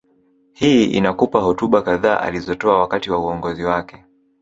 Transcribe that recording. Hii inakupa hotuba kadhaa alizotoa wakati wa uongozi wake